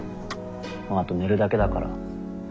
もうあと寝るだけだから。